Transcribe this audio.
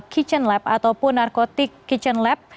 kitchen lab ataupun narkotik kitchen lab